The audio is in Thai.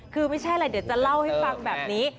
คือไม่ใช่อะไรเดี๋ยวจะเล่าให้ฟังแบบนี้